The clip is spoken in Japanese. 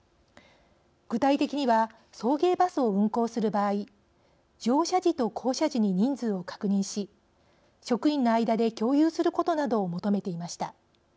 具体的には送迎バスを運行する場合乗車時と降車時に人数を確認し職員の間で共有することなどを求めていました。